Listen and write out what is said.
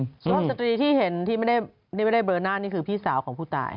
ชอบสตรีที่เห็นที่ไม่ได้เลอหน้านี่คือพี่สาวของผู้ตาย